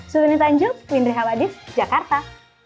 suhaimanitanjuk windri haladis jakarta